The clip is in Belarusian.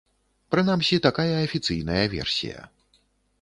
Прынамсі, такая афіцыйная версія.